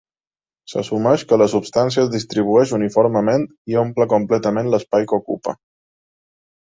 S'assumeix que la substància es distribueix uniformement i omple completament l'espai que ocupa.